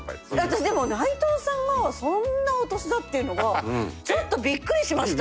私でも内藤さんがそんなお年だっていうのはちょっとビックリしました。